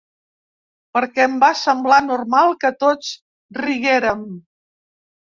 Perquè em va semblar normal que tots riguérem.